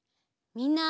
みんな。